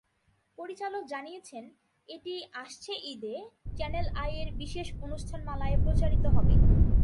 পরিচালক জানিয়েছেন, এটি আসছে ঈদে চ্যানেল আইয়ের বিশেষ অনুষ্ঠানমালায় প্রচারিত হবে।